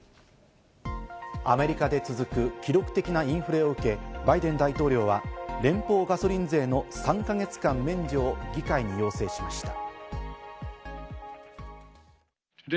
アメリカで続く記録的なインフレを受け、バイデン大統領は連邦ガソリン税の３か月間免除を議会に要請しました。